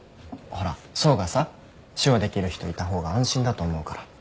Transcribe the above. ほら想がさ手話できる人いた方が安心だと思うから。